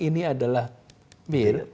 ini adalah bir